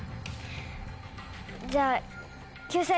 じゃあ。